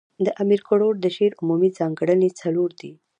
د امیر کروړ د شعر عمومي ځانګړني څلور دي.